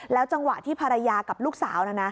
แล้วจังหวะที่ภรรยากับลูกสาว